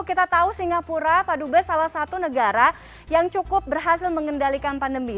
kita tahu singapura pak dubes salah satu negara yang cukup berhasil mengendalikan pandemi